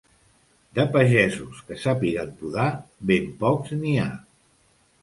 De pagesos que sàpiguen podar, ben pocs n'hi ha.